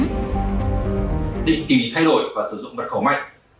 định kỳ thay đổi và sử dụng mật khẩu mạnh